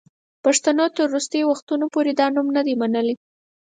پښتنو تر وروستیو وختونو پوري دا نوم نه دی منلی.